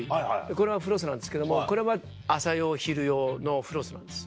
これはフロスなんですけどもこれは朝用昼用のフロスなんです。